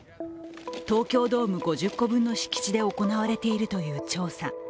東京ドーム５０個分の敷地で行われているという調査。